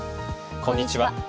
こんにちは。